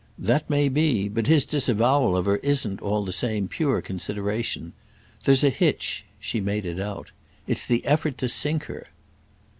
"That may be—but his disavowal of her isn't, all the same, pure consideration. There's a hitch." She made it out. "It's the effort to sink her."